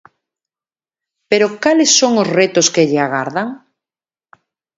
Pero cales son os retos que lle agardan?